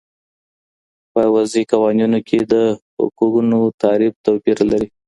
په وضعي قوانینو کي د حقونو تعریف توپیر لري.